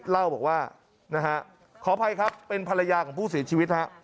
เล่าบอกว่านะฮะขออภัยครับเป็นภรรยาของผู้เสียชีวิตฮะ